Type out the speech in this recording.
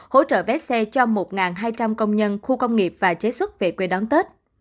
hỗ trợ vé xe cho một hai trăm linh công nhân khu công nghiệp và chế xuất về quê đón tết